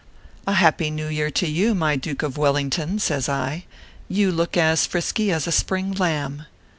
" A happy New Year to you, my Duke of Wel lington/ says I. " You look as frisky as a spring lamb."